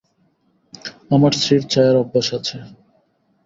আমার স্ত্রীর চায়ের অভ্যাস আছে।